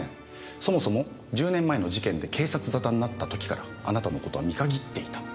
そもそも１０年前の事件で警察沙汰になった時からあなたの事は見限っていた。